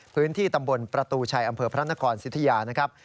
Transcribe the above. พื้นที่ตำบลประตูชัยอำเภอพระนครสิทธิยานะครับ